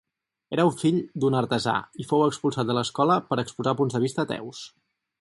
Era fill d'un artesà, i fou expulsat de l'escola per exposar punts de vista ateus.